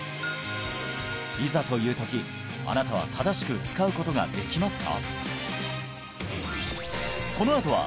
いざという時あなたは正しく使うことができますか？